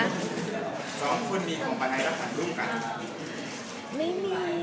ส้อมคุณมีของบรรไอรับขันรุ่งก่อน